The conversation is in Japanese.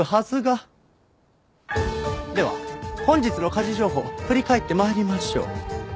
では本日の家事情報振り返って参りましょう。